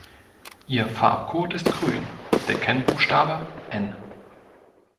Ihr Farbcode ist Grün, der Kennbuchstabe „N“.